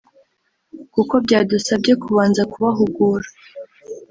kuko byadusabye kubanza kubahugura